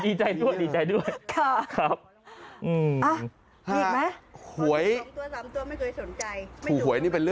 อ้อดีใจด้วย